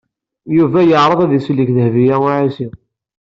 Yuba yeɛreḍ ad d-isellek Dehbiya u Ɛisiw.